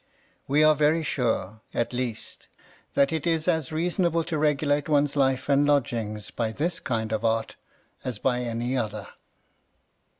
We are very sure, at least, that it is as reasonable to regulate one's life and lodgings by this kind of art as by any other.